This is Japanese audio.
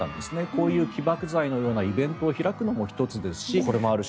こういう起爆剤のようなイベントを開くのも１つですし。